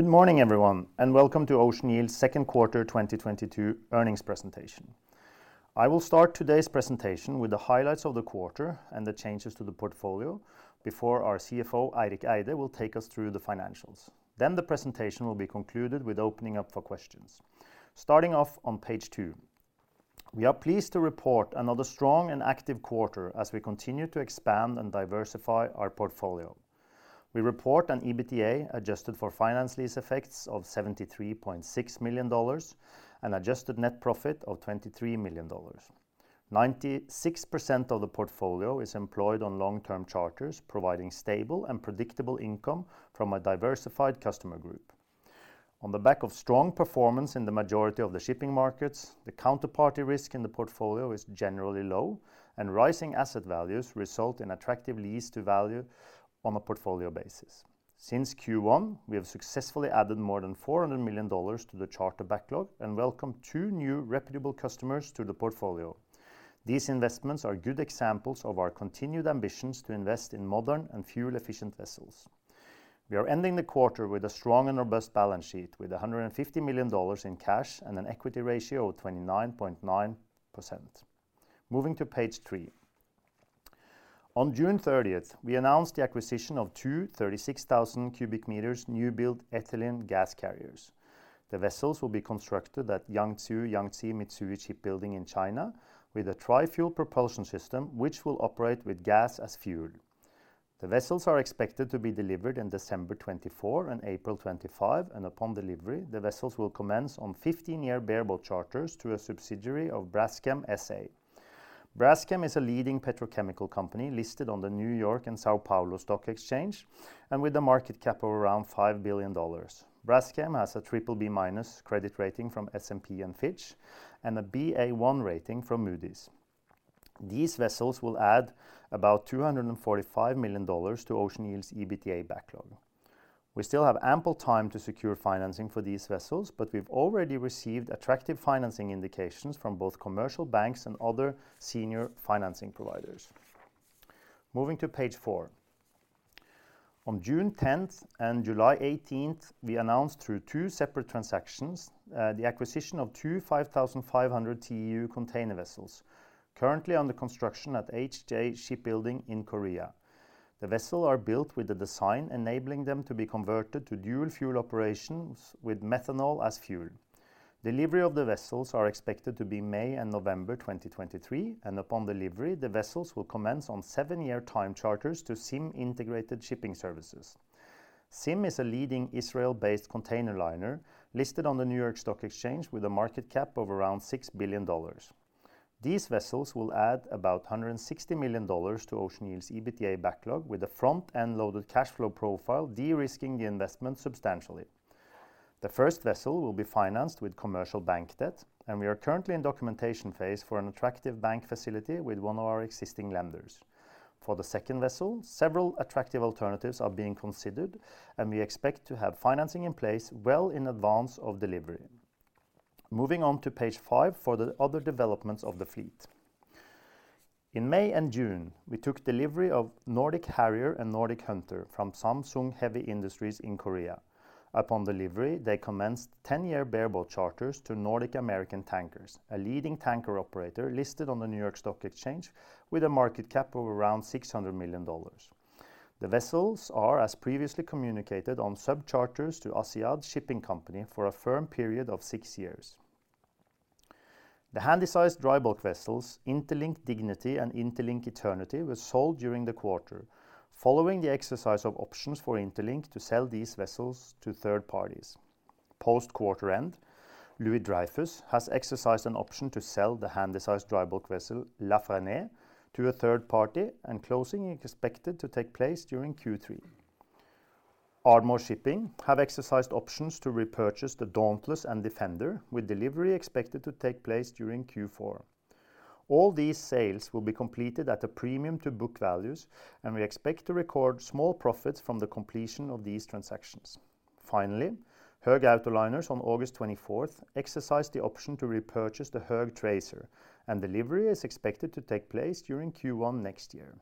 Good morning, everyone, and welcome to Ocean Yield's second quarter 2022 earnings presentation. I will start today's presentation with the highlights of the quarter and the changes to the portfolio before our CFO, Eirik Eide, will take us through the financials. The presentation will be concluded with opening up for questions. Starting off on page two. We are pleased to report another strong and active quarter as we continue to expand and diversify our portfolio. We report an EBITDA adjusted for finance lease effects of $73.6 million and adjusted net profit of $23 million. 96% of the portfolio is employed on long-term charters, providing stable and predictable income from a diversified customer group. On the back of strong performance in the majority of the shipping markets, the counterparty risk in the portfolio is generally low, and rising asset values result in attractive loan-to-value on a portfolio basis. Since Q1, we have successfully added more than $400 million to the charter backlog and welcomed two new reputable customers to the portfolio. These investments are good examples of our continued ambitions to invest in modern and fuel-efficient vessels. We are ending the quarter with a strong and robust balance sheet with $150 million in cash and an equity ratio of 29.9%. Moving to page three. On June thirtieth, we announced the acquisition of two 36,000-cubic-meter new-built ethylene gas carriers. The vessels will be constructed at Jiangsu Yangzi-Mitsui Shipbuilding in China with a tri-fuel propulsion system which will operate with gas as fuel. The vessels are expected to be delivered in December 2024 and April 2025, and upon delivery, the vessels will commence on 15-year bareboat charters to a subsidiary of Braskem S.A. Braskem is a leading petrochemical company listed on the New York and São Paulo Stock Exchange and with a market cap of around $5 billion. Braskem has a BBB- credit rating from S&P and Fitch and a Ba1 rating from Moody's. These vessels will add about $245 million to Ocean Yield's EBITDA backlog. We still have ample time to secure financing for these vessels, but we have already received attractive financing indications from both commercial banks and other senior financing providers. Moving to page four. On June tenth and July eighteenth, we announced through two separate transactions, the acquisition of two 5,500 TEU container vessels currently under construction at HJ Shipbuilding & Construction in Korea. The vessels are built with the design enabling them to be converted to dual fuel operations with methanol as fuel. Delivery of the vessels is expected to be May and November 2023, and upon delivery, the vessels will commence on seven-year time charters to Zim Integrated Shipping Services. Zim is a leading Israeli-based container liner listed on the New York Stock Exchange with a market cap of around $6 billion. These vessels will add about $160 million to Ocean Yield's EBITDA backlog with a front-end loaded cash flow profile, de-risking the investment substantially. The first vessel will be financed with commercial bank debt, and we are currently in documentation phase for an attractive bank facility with one of our existing lenders. For the second vessel, several attractive alternatives are being considered, and we expect to have financing in place well in advance of delivery. Moving on to page 5 for the other developments of the fleet. In May and June, we took delivery of Nordic Harrier and Nordic Hunter from Samsung Heavy Industries in Korea. Upon delivery, they commenced 10-year bareboat charters to Nordic American Tankers, a leading tanker operator listed on the New York Stock Exchange with a market cap of around $600 million. The vessels are, as previously communicated, on subcharters to Asiatic Shipping Company for a firm period of 6 years. The handysize dry bulk vessels, Interlink Dignity and Interlink Eternity, were sold during the quarter following the exercise of options for Interlink to sell these vessels to third parties. Post quarter end, Louis Dreyfus has exercised an option to sell the handysize dry bulk vessel La Fresnais to a third party, and closing is expected to take place during Q3. Ardmore Shipping have exercised options to repurchase The Dauntless and Defender, with delivery expected to take place during Q4. All these sales will be completed at a premium to book values, and we expect to record small profits from the completion of these transactions. Finally, Höegh Autoliners on August 24th exercised the option to repurchase the Höegh Tracer, and delivery is expected to take place during Q1 next year.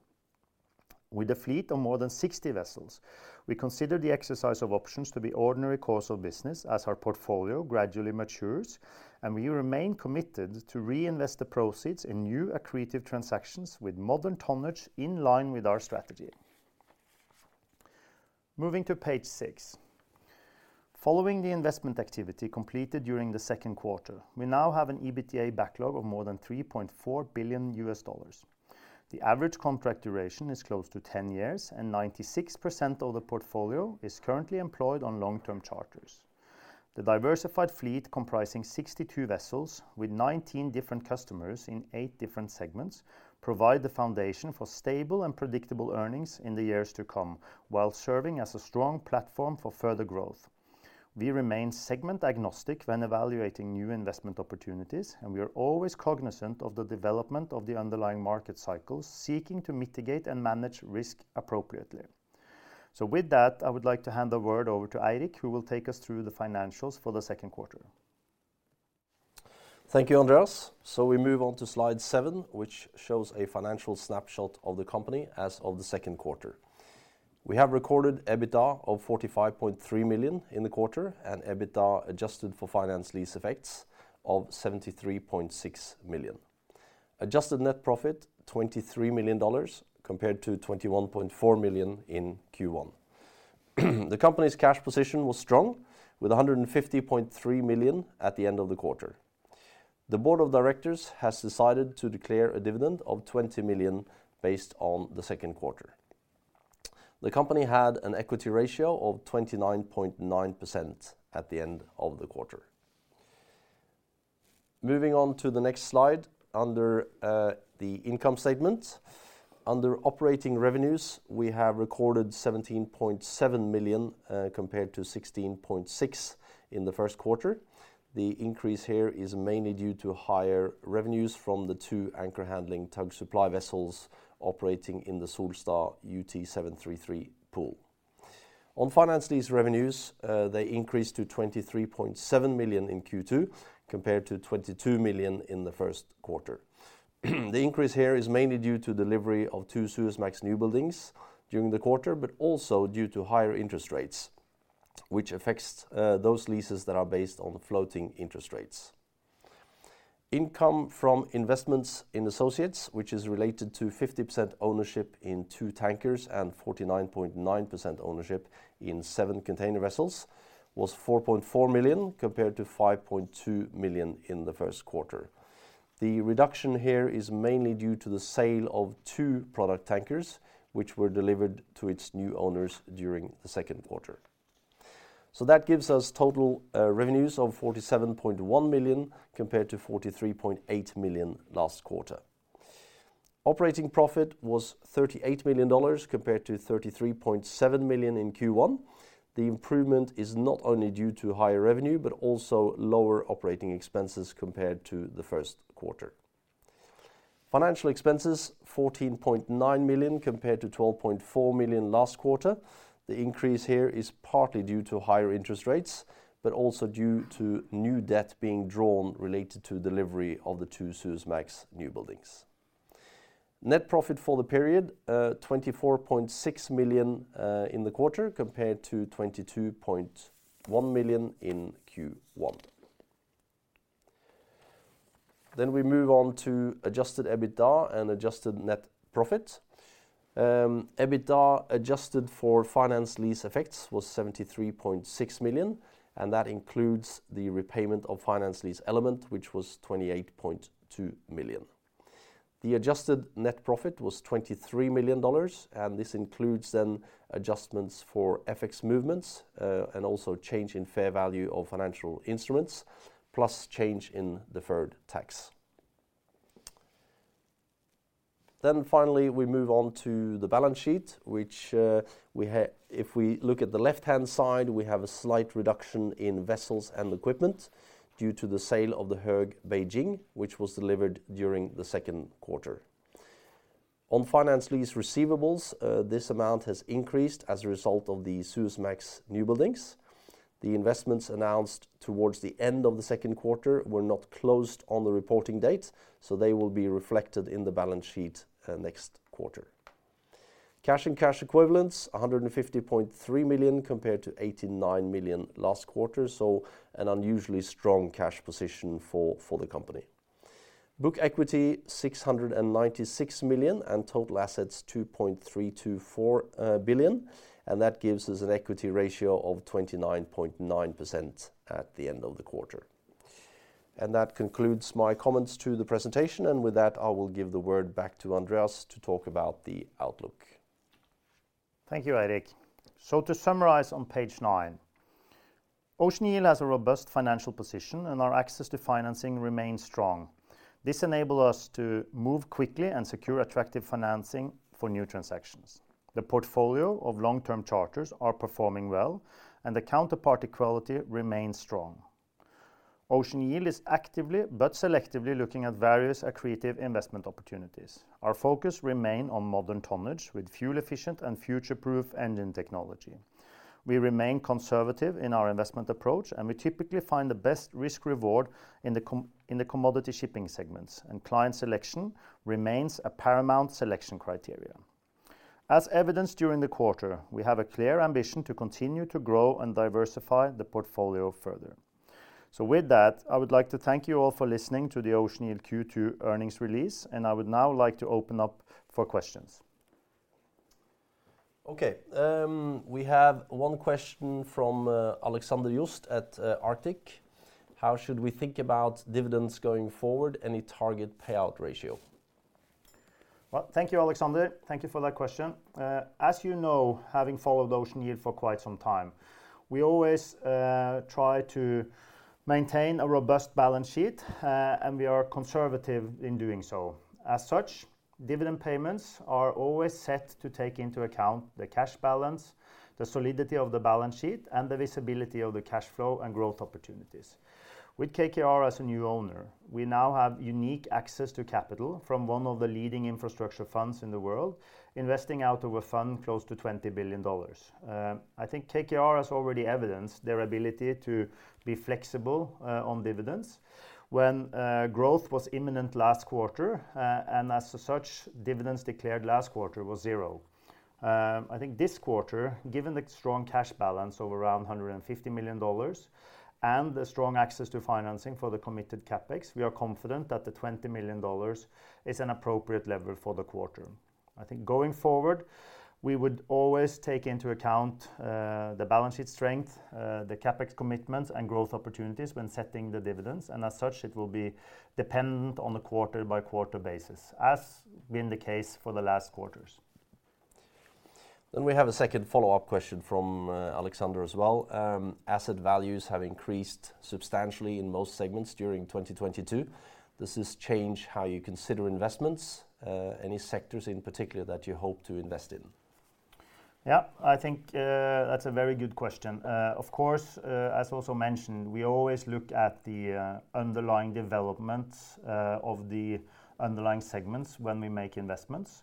With a fleet of more than 60 vessels, we consider the exercise of options to be ordinary course of business as our portfolio gradually matures, and we remain committed to reinvest the proceeds in new accretive transactions with modern tonnage in line with our strategy. Moving to page six. Following the investment activity completed during the second quarter, we now have an EBITDA backlog of more than $3.4 billion. The average contract duration is close to 10 years, and 96% of the portfolio is currently employed on long-term charters. The diversified fleet comprising 62 vessels with 19 different customers in eight different segments provide the foundation for stable and predictable earnings in the years to come while serving as a strong platform for further growth. We remain segment agnostic when evaluating new investment opportunities, and we are always cognizant of the development of the underlying market cycles seeking to mitigate and manage risk appropriately. With that, I would like to hand the word over to Eirik, who will take us through the financials for the second quarter. Thank you, Andreas. We move on to slide seven, which shows a financial snapshot of the company as of the second quarter. We have recorded EBITDA of $45.3 million in the quarter and EBITDA adjusted for finance lease effects of $73.6 million. Adjusted net profit $23 million compared to $21.4 million in Q1. The company's cash position was strong with $150.3 million at the end of the quarter. The board of directors has decided to declare a dividend of $20 million based on the second quarter. The company had an equity ratio of 29.9% at the end of the quarter. Moving on to the next slide under the income statement. Under operating revenues, we have recorded $17.7 million compared to $16.6 in the first quarter. The increase here is mainly due to higher revenues from the two anchor handling tug supply vessels operating in the Solstad UT 733 pool. On finance lease revenues, they increased to $23.7 million in Q2 compared to $22 million in the first quarter. The increase here is mainly due to delivery of two Suezmax newbuildings during the quarter, but also due to higher interest rates which affects those leases that are based on floating interest rates. Income from investments in associates, which is related to 50% ownership in two tankers and 49.9% ownership in seven container vessels, was $4.4 million compared to $5.2 million in the first quarter. The reduction here is mainly due to the sale of two product tankers, which were delivered to its new owners during the second quarter. That gives us total revenues of $47.1 million compared to $43.8 million last quarter. Operating profit was $38 million compared to $33.7 million in Q1. The improvement is not only due to higher revenue, but also lower operating expenses compared to the first quarter. Financial expenses, $14.9 million compared to $12.4 million last quarter. The increase here is partly due to higher interest rates, but also due to new debt being drawn related to delivery of the two Suezmax newbuildings. Net profit for the period $24.6 million in the quarter compared to $22.1 million in Q1. We move on to adjusted EBITDA and adjusted net profit. EBITDA adjusted for finance lease effects was $73.6 million, and that includes the repayment of finance lease element, which was $28.2 million. The adjusted net profit was $23 million, and this includes then adjustments for FX movements, and also change in fair value of financial instruments, plus change in deferred tax. Finally, we move on to the balance sheet, which, if we look at the left-hand side, we have a slight reduction in vessels and equipment due to the sale of the Höegh Beijing, which was delivered during the second quarter. On finance lease receivables, this amount has increased as a result of the Suezmax newbuildings. The investments announced towards the end of the second quarter were not closed on the reporting date, so they will be reflected in the balance sheet, next quarter. Cash and cash equivalents, $150.3 million compared to $89 million last quarter, so an unusually strong cash position for the company. Book equity, $696 million, and total assets, $2.324 billion, and that gives us an equity ratio of 29.9% at the end of the quarter. That concludes my comments to the presentation, and with that I will give the word back to Andreas to talk about the outlook. Thank you, Eirik. To summarize on page nine, Ocean Yield has a robust financial position and our access to financing remains strong. This enable us to move quickly and secure attractive financing for new transactions. The portfolio of long-term charters are performing well and the counterparty quality remains strong. Ocean Yield is actively but selectively looking at various accretive investment opportunities. Our focus remain on modern tonnage with fuel efficient and future-proof engine technology. We remain conservative in our investment approach, and we typically find the best risk reward in the commodity shipping segments, and client selection remains a paramount selection criteria. As evidenced during the quarter, we have a clear ambition to continue to grow and diversify the portfolio further. With that, I would like to thank you all for listening to the Ocean Yield Q2 earnings release, and I would now like to open up for questions. We have one question from Alexander Jost at Arctic Securities. How should we think about dividends going forward? Any target payout ratio? Well, thank you, Alexander. Thank you for that question. As you know, having followed Ocean Yield for quite some time, we always try to maintain a robust balance sheet, and we are conservative in doing so. As such, dividend payments are always set to take into account the cash balance, the solidity of the balance sheet, and the visibility of the cash flow and growth opportunities. With KKR as a new owner, we now have unique access to capital from one of the leading infrastructure funds in the world, investing out of a fund close to $20 billion. I think KKR has already evidenced their ability to be flexible on dividends when growth was imminent last quarter, and as such, dividends declared last quarter was zero. I think this quarter, given the strong cash balance of around $150 million and the strong access to financing for the committed CapEx, we are confident that the $20 million is an appropriate level for the quarter. I think going forward, we would always take into account the balance sheet strength, the CapEx commitments, and growth opportunities when setting the dividends. As such, it will be dependent on a quarter-by-quarter basis, as been the case for the last quarters. We have a second follow-up question from Alexander as well. Asset values have increased substantially in most segments during 2022. Does this change how you consider investments? Any sectors in particular that you hope to invest in? Yeah, I think that's a very good question. Of course, as also mentioned, we always look at the underlying developments of the underlying segments when we make investments.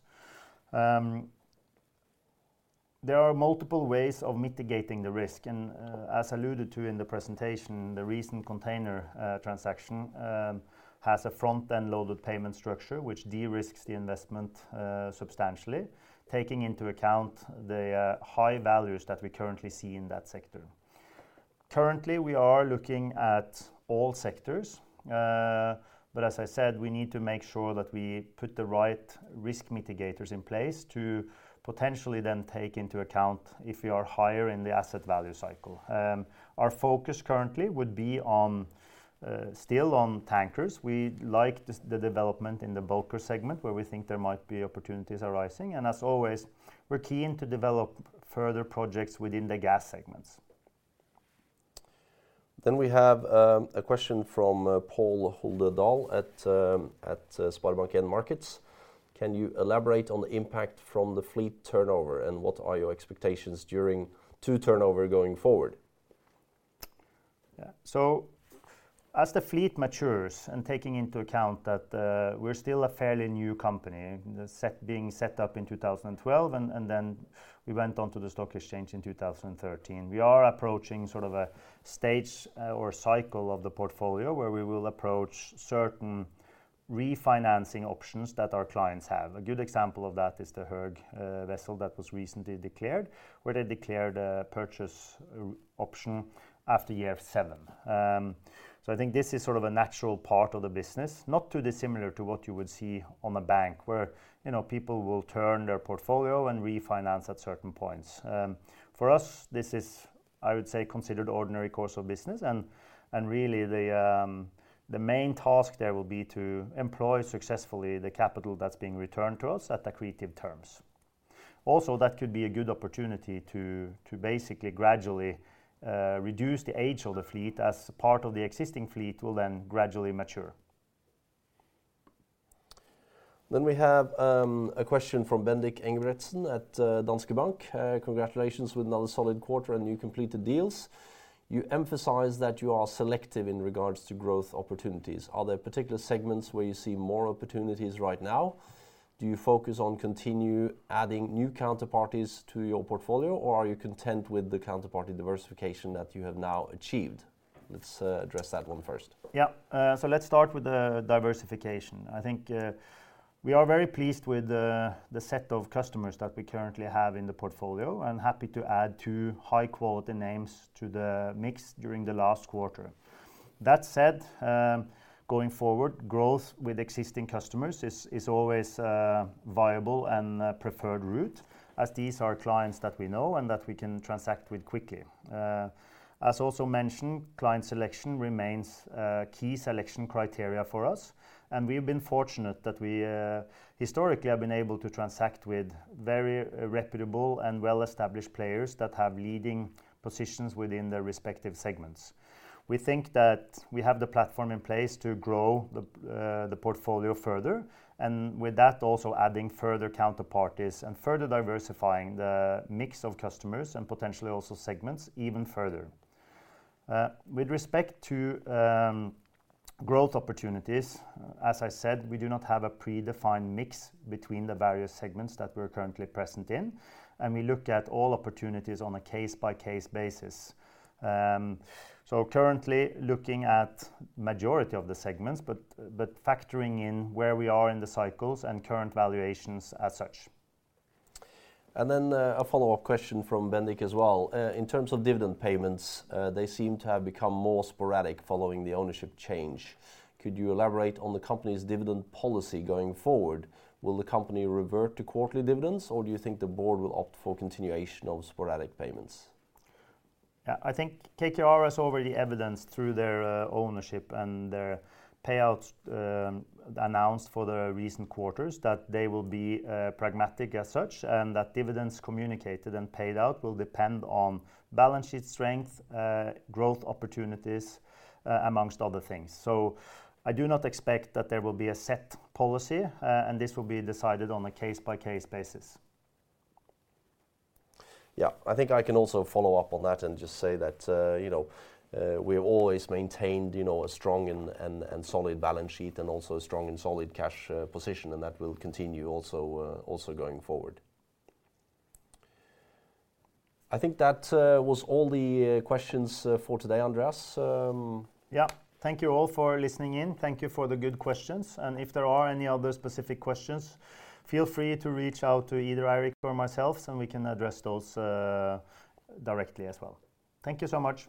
There are multiple ways of mitigating the risk, and as alluded to in the presentation, the recent container transaction has a front-end loaded payment structure which de-risks the investment substantially, taking into account the high values that we currently see in that sector. Currently, we are looking at all sectors. As I said, we need to make sure that we put the right risk mitigators in place to potentially then take into account if we are higher in the asset value cycle. Our focus currently would be on still on tankers. We like the development in the bulker segment where we think there might be opportunities arising. As always, we're keen to develop further projects within the gas segments. We have a question from Pål Holdø Dahl at SpareBank 1 Markets. Can you elaborate on the impact from the fleet turnover, and what are your expectations during the turnover going forward? Yeah. As the fleet matures, and taking into account that, we're still a fairly new company, being set up in 2012 and then we went onto the stock exchange in 2013, we are approaching sort of a stage or cycle of the portfolio where we will approach certain refinancing options that our clients have. A good example of that is the Höegh vessel that was recently declared, where they declared a purchase option after year seven. I think this is sort of a natural part of the business, not too dissimilar to what you would see on a bank where, you know, people will turn their portfolio and refinance at certain points. For us, this is, I would say, considered ordinary course of business and really the main task there will be to employ successfully the capital that's being returned to us at accretive terms. Also, that could be a good opportunity to basically gradually reduce the age of the fleet as part of the existing fleet will then gradually mature. We have a question from Bendik Engebretsen at Danske Bank. Congratulations with another solid quarter and new completed deals. You emphasize that you are selective in regards to growth opportunities. Are there particular segments where you see more opportunities right now? Do you focus on continue adding new counterparties to your portfolio, or are you content with the counterparty diversification that you have now achieved? Let's address that one first. Yeah. Let's start with the diversification. I think, we are very pleased with the set of customers that we currently have in the portfolio and happy to add two high-quality names to the mix during the last quarter. That said, going forward, growth with existing customers is always a viable and a preferred route, as these are clients that we know and that we can transact with quickly. As also mentioned, client selection remains a key selection criteria for us, and we've been fortunate that we historically have been able to transact with very reputable and well-established players that have leading positions within their respective segments. We think that we have the platform in place to grow the portfolio further, and with that, also adding further counterparties and further diversifying the mix of customers and potentially also segments even further. With respect to growth opportunities, as I said, we do not have a predefined mix between the various segments that we're currently present in, and we look at all opportunities on a case-by-case basis. Currently looking at majority of the segments but factoring in where we are in the cycles and current valuations as such. A follow-up question from Bendik as well. In terms of dividend payments, they seem to have become more sporadic following the ownership change. Could you elaborate on the company's dividend policy going forward? Will the company revert to quarterly dividends, or do you think the board will opt for continuation of sporadic payments? Yeah. I think KKR has already evidenced through their ownership and their payouts announced for the recent quarters that they will be pragmatic as such, and that dividends communicated and paid out will depend on balance sheet strength, growth opportunities, among other things. I do not expect that there will be a set policy, and this will be decided on a case-by-case basis. Yeah. I think I can also follow up on that and just say that, you know, we've always maintained, you know, a strong and solid balance sheet and also a strong and solid cash position and that will continue also going forward. I think that was all the questions for today, Andreas. Yeah. Thank you all for listening in. Thank you for the good questions. If there are any other specific questions, feel free to reach out to either Eirik or myself, and we can address those directly as well. Thank you so much.